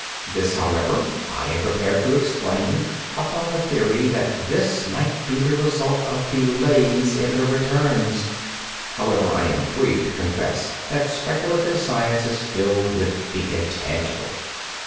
This, however, I am prepared to explain upon the theory that this might be the result of delays in the returns However, I am free to confess that speculative science is filled with the intangible.